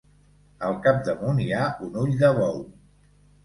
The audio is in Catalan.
Al capdamunt hi ha un ull de bou.